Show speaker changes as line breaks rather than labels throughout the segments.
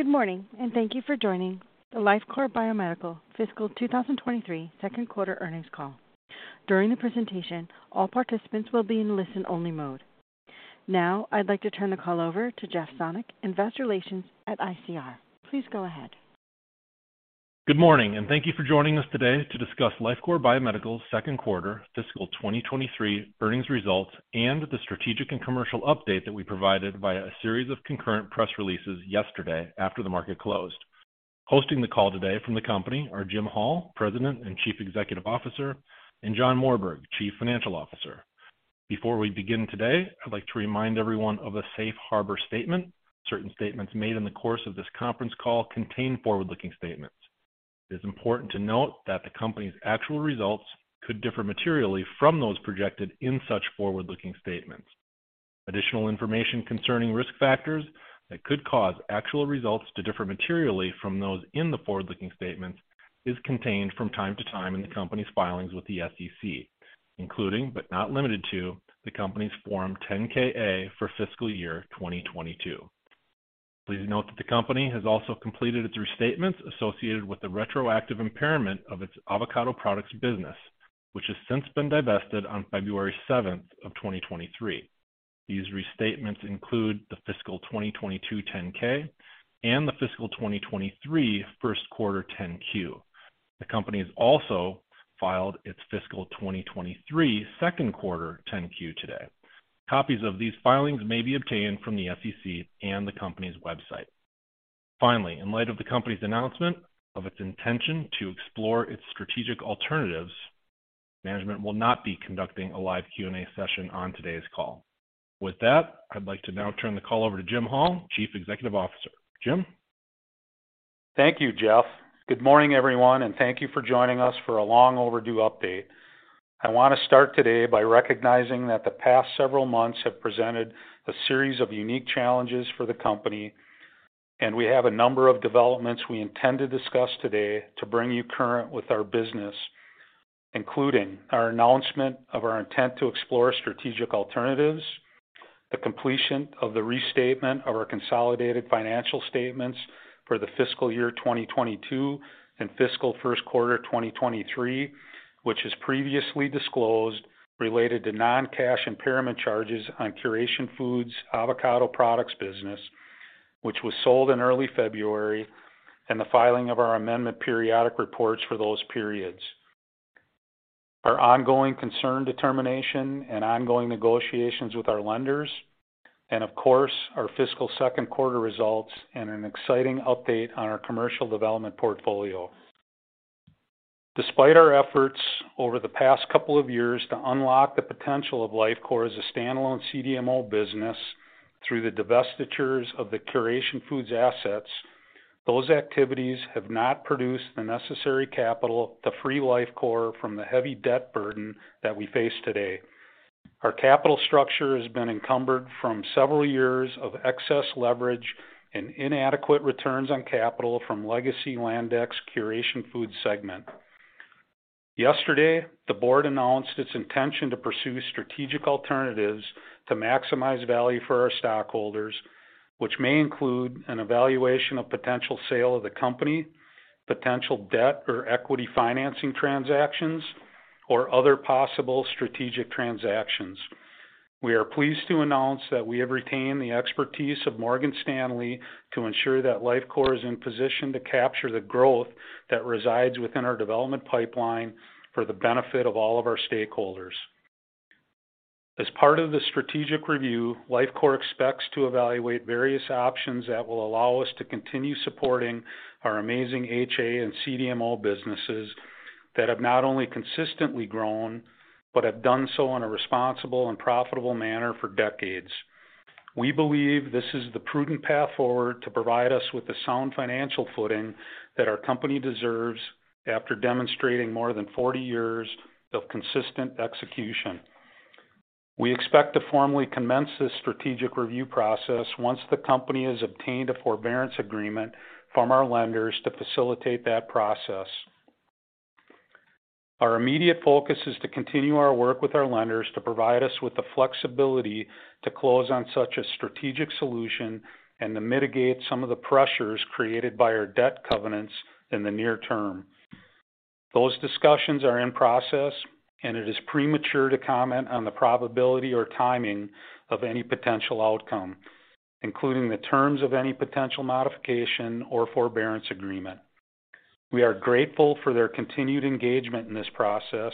Good morning, thank you for joining the Lifecore Biomedical Fiscal 2023 second quarter earnings call. During the presentation, all participants will be in listen-only mode. Now, I'd like to turn the call over to Jeff Sonnek, Investor Relations at ICR. Please go ahead.
Good morning, and thank you for joining us today to discuss Lifecore Biomedical's second quarter fiscal 2023 earnings results and the strategic and commercial update that we provided via a series of concurrent press releases yesterday after the market closed. Hosting the call today from the company are Jim Hall, President and Chief Executive Officer, and John Morberg, Chief Financial Officer. Before we begin today, I'd like to remind everyone of a safe harbor statement. Certain statements made in the course of this conference call contain forward-looking statements. It is important to note that the company's actual results could differ materially from those projected in such forward-looking statements. Additional information concerning risk factors that could cause actual results to differ materially from those in the forward-looking statements is contained from time to time in the company's filings with the SEC, including, but not limited to, the company's Form 10-K/A for fiscal year 2022. Please note that the company has also completed its restatements associated with the retroactive impairment of its Avocado Products business, which has since been divested on February 7, 2023. These restatements include the fiscal 2022 10-K and the fiscal 2023 first quarter 10-Q. The company has also filed its fiscal 2023 second quarter 10-Q today. Copies of these filings may be obtained from the SEC and the company's website. In light of the company's announcement of its intention to explore its strategic alternatives, management will not be conducting a live Q&A session on today's call. With that, I'd like to now turn the call over to Jim Hall, Chief Executive Officer. Jim?
Thank you, Jeff. Good morning, everyone. Thank you for joining us for a long overdue update. I want to start today by recognizing that the past several months have presented a series of unique challenges for the company, and we have a number of developments we intend to discuss today to bring you current with our business, including our announcement of our intent to explore strategic alternatives, the completion of the restatement of our consolidated financial statements for the fiscal year 2022 and fiscal first quarter 2023, which is previously disclosed, related to non-cash impairment charges on Curation Foods' Avocado Products business, which was sold in early February, and the filing of our amendment periodic reports for those periods. Our ongoing concern determination and ongoing negotiations with our lenders, and of course, our fiscal second quarter results and an exciting update on our commercial development portfolio. Despite our efforts over the past couple of years to unlock the potential of Lifecore as a standalone CDMO business through the divestitures of the Curation Foods assets, those activities have not produced the necessary capital to free Lifecore from the heavy debt burden that we face today. Our capital structure has been encumbered from several years of excess leverage and inadequate returns on capital from legacy Landec Curation Foods segment. Yesterday, the board announced its intention to pursue strategic alternatives to maximize value for our stockholders, which may include an evaluation of potential sale of the company, potential debt or equity financing transactions, or other possible strategic transactions. We are pleased to announce that we have retained the expertise of Morgan Stanley to ensure that Lifecore is in position to capture the growth that resides within our development pipeline for the benefit of all of our stakeholders. As part of the strategic review, Lifecore expects to evaluate various options that will allow us to continue supporting our amazing HA and CDMO businesses that have not only consistently grown but have done so in a responsible and profitable manner for decades. We believe this is the prudent path forward to provide us with the sound financial footing that our company deserves after demonstrating more than 40 years of consistent execution. We expect to formally commence this strategic review process once the company has obtained a forbearance agreement from our lenders to facilitate that process. Our immediate focus is to continue our work with our lenders to provide us with the flexibility to close on such a strategic solution and to mitigate some of the pressures created by our debt covenants in the near term. Those discussions are in process. It is premature to comment on the probability or timing of any potential outcome, including the terms of any potential modification or forbearance agreement. We are grateful for their continued engagement in this process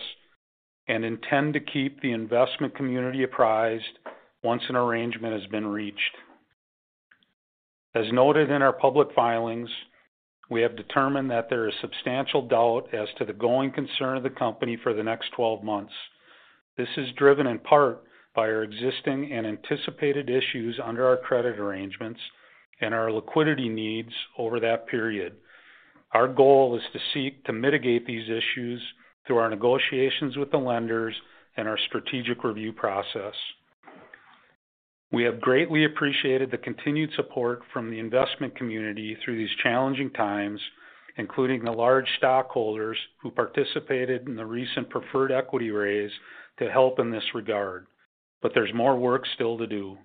and intend to keep the investment community apprised once an arrangement has been reached. As noted in our public filings, we have determined that there is substantial doubt as to the going concern of the company for the next 12 months. This is driven in part by our existing and anticipated issues under our credit arrangements and our liquidity needs over that period. Our goal is to seek to mitigate these issues through our negotiations with the lenders and our strategic review process. We have greatly appreciated the continued support from the investment community through these challenging times, including the large stockholders who participated in the recent preferred equity raise to help in this regard. There's more work still to do.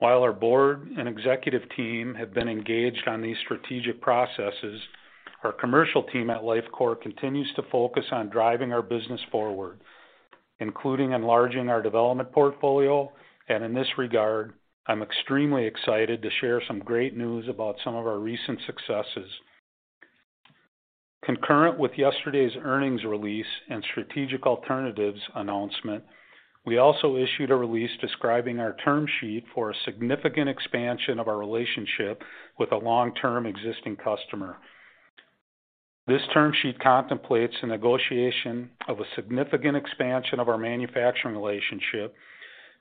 While our board and executive team have been engaged on these strategic processes, our commercial team at Lifecore continues to focus on driving our business forward, including enlarging our development portfolio. In this regard, I'm extremely excited to share some great news about some of our recent successes. Concurrent with yesterday's earnings release and strategic alternatives announcement, we also issued a release describing our term sheet for a significant expansion of our relationship with a long-term existing customer. This term sheet contemplates a negotiation of a significant expansion of our manufacturing relationship,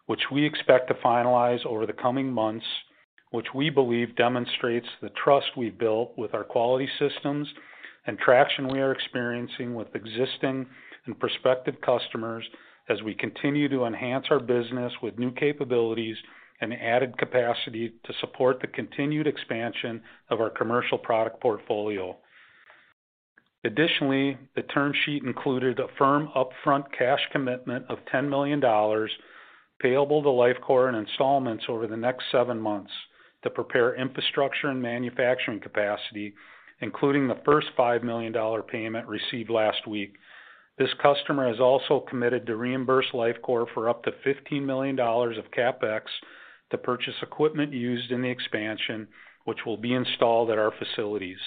which we expect to finalize over the coming months, which we believe demonstrates the trust we've built with our quality systems and traction we are experiencing with existing and prospective customers as we continue to enhance our business with new capabilities and added capacity to support the continued expansion of our commercial product portfolio. Additionally, the term sheet included a firm upfront cash commitment of $10 million payable to Lifecore in installments over the next seven months to prepare infrastructure and manufacturing capacity, including the first $5 million payment received last week. This customer has also committed to reimburse Lifecore for up to $15 million of CapEx to purchase equipment used in the expansion, which will be installed at our facilities.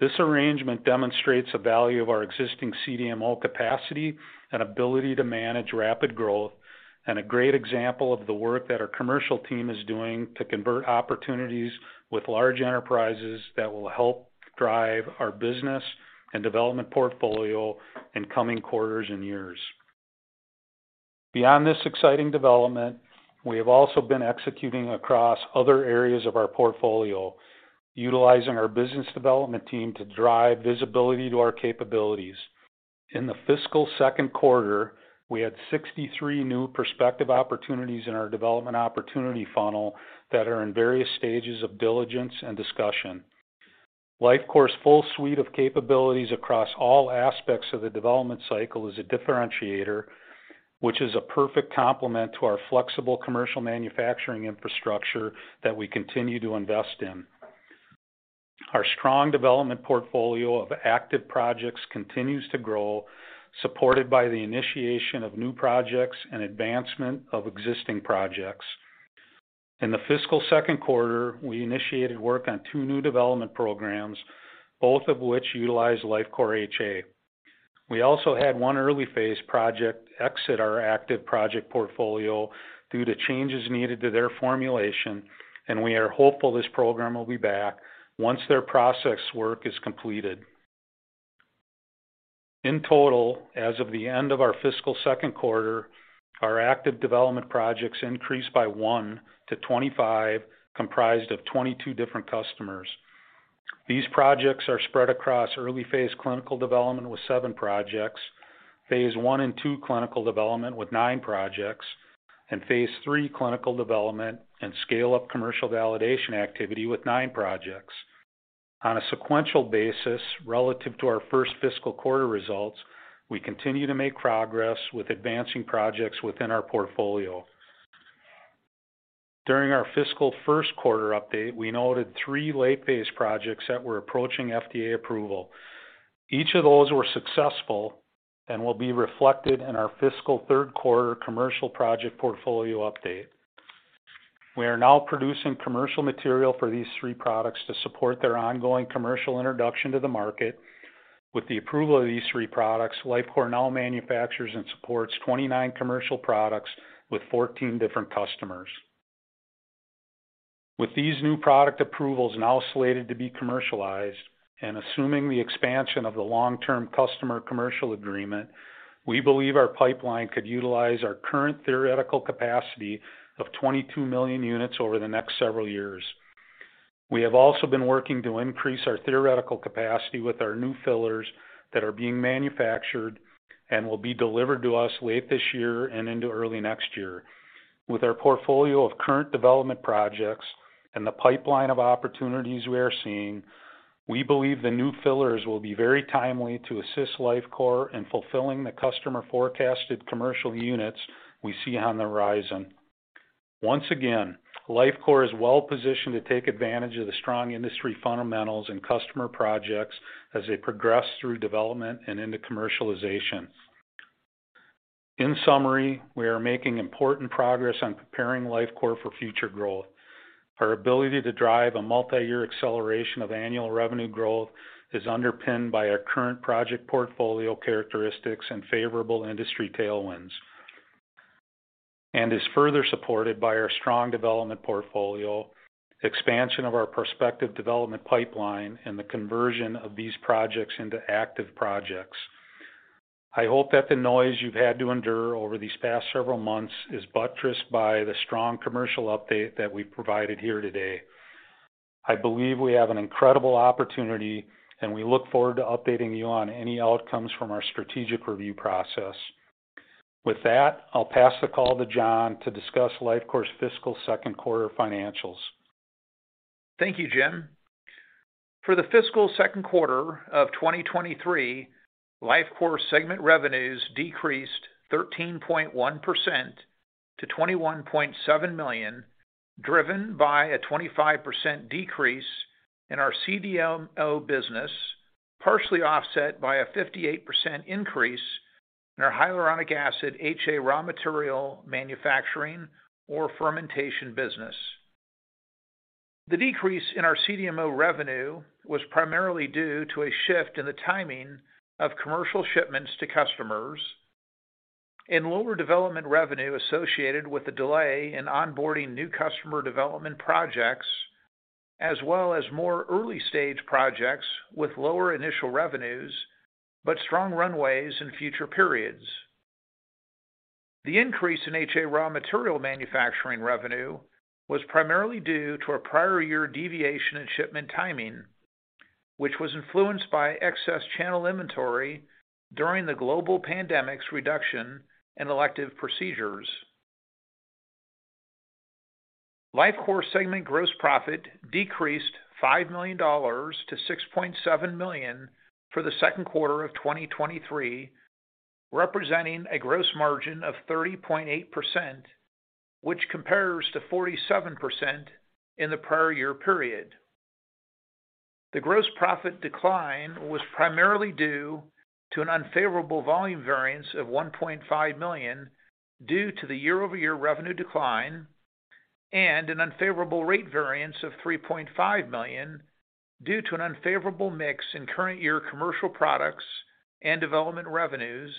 This arrangement demonstrates the value of our existing CDMO capacity and ability to manage rapid growth, a great example of the work that our commercial team is doing to convert opportunities with large enterprises that will help drive our business and development portfolio in coming quarters and years. Beyond this exciting development, we have also been executing across other areas of our portfolio, utilizing our business development team to drive visibility to our capabilities. In the fiscal second quarter, we had 63 new prospective opportunities in our development opportunity funnel that are in various stages of diligence and discussion. Lifecore's full suite of capabilities across all aspects of the development cycle is a differentiator which is a perfect complement to our flexible commercial manufacturing infrastructure that we continue to invest in. Our strong development portfolio of active projects continues to grow, supported by the initiation of new projects and advancement of existing projects. In the fiscal second quarter, we initiated work on 2 new development programs, both of which utilize Lifecore HA. We also had 1 early phase project exit our active project portfolio due to changes needed to their formulation, and we are hopeful this program will be back once their process work is completed. In total, as of the end of our fiscal second quarter, our active development projects increased by 1 to 25, comprised of 22 different customers. These projects are spread across early phase clinical development with 7 projects, phase 1 and 2 clinical development with 9 projects, and phase 3 clinical development and scale-up commercial validation activity with 9 projects. On a sequential basis, relative to our first fiscal quarter results, we continue to make progress with advancing projects within our portfolio. During our fiscal first quarter update, we noted 3 late phase projects that were approaching FDA approval. Each of those were successful and will be reflected in our fiscal third quarter commercial project portfolio update. We are now producing commercial material for these 3 products to support their ongoing commercial introduction to the market. With the approval of these 3 products, Lifecore now manufactures and supports 29 commercial products with 14 different customers. With these new product approvals now slated to be commercialized and assuming the expansion of the long-term customer commercial agreement, we believe our pipeline could utilize our current theoretical capacity of 22 million units over the next several years. We have also been working to increase our theoretical capacity with our new fillers that are being manufactured and will be delivered to us late this year and into early next year. With our portfolio of current development projects and the pipeline of opportunities we are seeing, we believe the new fillers will be very timely to assist Lifecore in fulfilling the customer forecasted commercial units we see on the horizon. Once again, Lifecore is well positioned to take advantage of the strong industry fundamentals and customer projects as they progress through development and into commercialization. In summary, we are making important progress on preparing Lifecore for future growth. Our ability to drive a multi-year acceleration of annual revenue growth is underpinned by our current project portfolio characteristics and favorable industry tailwinds, and is further supported by our strong development portfolio, expansion of our prospective development pipeline, and the conversion of these projects into active projects. I hope that the noise you've had to endure over these past several months is buttressed by the strong commercial update that we provided here today. I believe we have an incredible opportunity, and we look forward to updating you on any outcomes from our strategic review process. With that, I'll pass the call to John to discuss Lifecore's fiscal second quarter financials.
Thank you, Jim. For the fiscal second quarter of 2023, Lifecore segment revenues decreased 13.1% to $21.7 million, driven by a 25% decrease in our CDMO business, partially offset by a 58% increase in our hyaluronic acid HA raw material manufacturing or fermentation business. The decrease in our CDMO revenue was primarily due to a shift in the timing of commercial shipments to customers and lower development revenue associated with the delay in onboarding new customer development projects, as well as more early-stage projects with lower initial revenues but strong runways in future periods. The increase in HA raw material manufacturing revenue was primarily due to a prior year deviation in shipment timing, which was influenced by excess channel inventory during the global pandemic's reduction in elective procedures. Lifecore segment gross profit decreased $5 million to $6.7 million for the second quarter of 2023, representing a gross margin of 30.8%, which compares to 47% in the prior year period. The gross profit decline was primarily due to an unfavorable volume variance of $1.5 million due to the year-over-year revenue decline and an unfavorable rate variance of $3.5 million due to an unfavorable mix in current year commercial products and development revenues,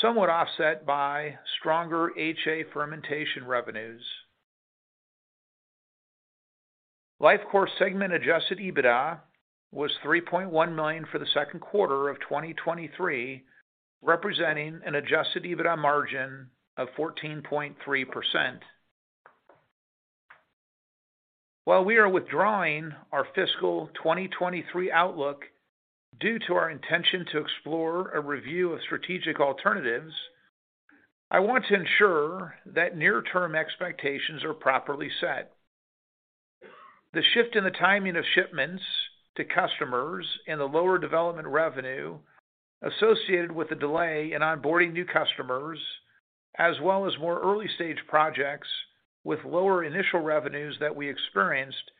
somewhat offset by stronger HA fermentation revenues. Lifecore segment adjusted EBITDA was $3.1 million for the second quarter of 2023, representing an adjusted EBITDA margin of 14.3%. While we are withdrawing our fiscal 2023 outlook due to our intention to explore a review of strategic alternatives, I want to ensure that near-term expectations are properly set. The shift in the timing of shipments to customers and the lower development revenue associated with the delay in onboarding new customers, as well as more early-stage projects with lower initial revenues that we experienced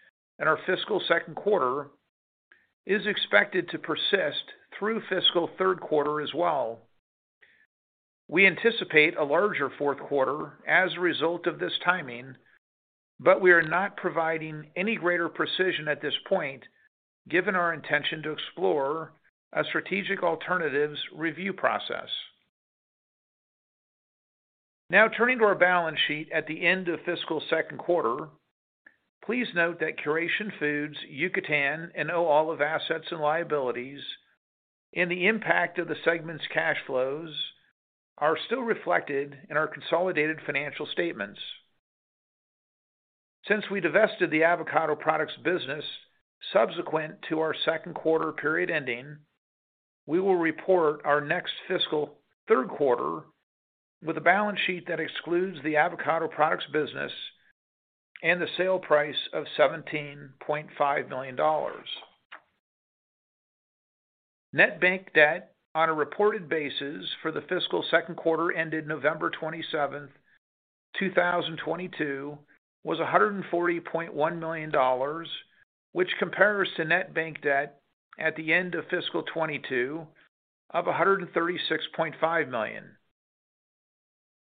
in our fiscal second quarter, is expected to persist through fiscal third quarter as well. We anticipate a larger fourth quarter as a result of this timing, but we are not providing any greater precision at this point, given our intention to explore a strategic alternatives review process. Now turning to our balance sheet at the end of fiscal second quarter. Please note that Curation Foods Yucatan and O Olive assets and liabilities and the impact of the segment's cash flows are still reflected in our consolidated financial statements. Since we divested the Avocado Products business subsequent to our second quarter period ending, we will report our next fiscal third quarter with a balance sheet that excludes the Avocado Products business and the sale price of $17.5 million. Net bank debt on a reported basis for the fiscal second quarter ended November 27, 2022, was $140.1 million, which compares to net bank debt at the end of fiscal 2022 of $136.5 million.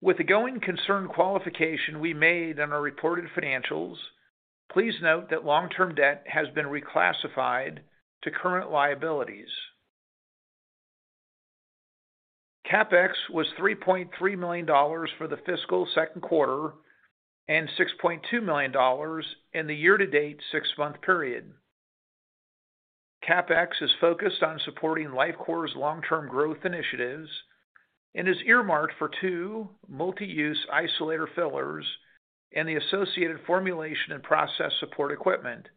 With the going concern qualification we made on our reported financials, please note that long-term debt has been reclassified to current liabilities. CapEx was $3.3 million for the fiscal second quarter and $6.2 million in the year-to-date six-month period. CapEx is focused on supporting Lifecore's long-term growth initiatives and is earmarked for two multi-use isolator fillers and the associated formulation and process support equipment.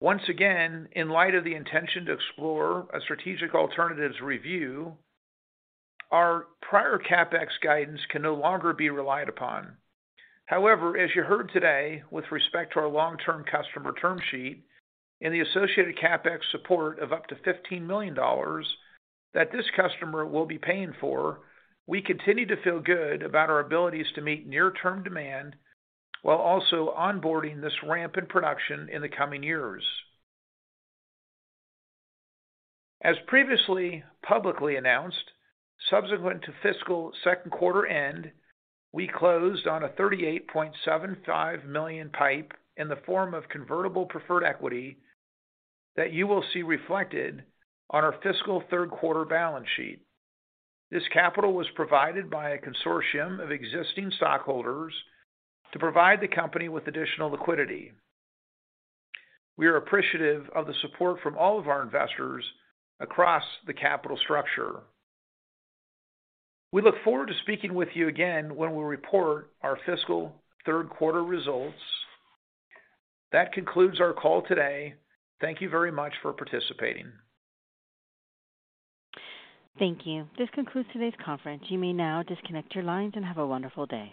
Once again, in light of the intention to explore a strategic alternatives review, our prior CapEx guidance can no longer be relied upon. However, as you heard today with respect to our long-term customer term sheet and the associated CapEx support of up to $15 million that this customer will be paying for, we continue to feel good about our abilities to meet near-term demand while also onboarding this rampant production in the coming years. As previously publicly announced, subsequent to fiscal second quarter end, we closed on a $38.75 million PIPE in the form of convertible preferred equity that you will see reflected on our fiscal third quarter balance sheet. This capital was provided by a consortium of existing stockholders to provide the company with additional liquidity. We are appreciative of the support from all of our investors across the capital structure. We look forward to speaking with you again when we report our fiscal third quarter results. That concludes our call today. Thank you very much for participating.
Thank you. This concludes today's conference. You may now disconnect your lines and have a wonderful day.